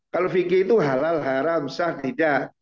kalau fikir itu halal haram sah tidak